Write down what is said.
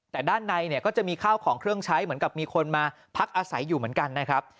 แต่ด้านในเนี่ยก็จะมีข้าวของเครื่องใช้เหมือนกับมีคนมาพักอาศัยอยู่เหมือนกันนะครับ